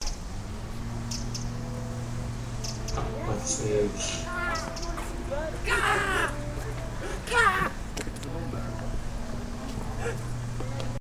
Akg̲wasʼéilʼ.